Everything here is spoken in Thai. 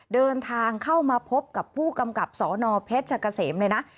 เดินทางเข้ามาพบกับผู้กำกับสนเพชรกะเสมเลยนะ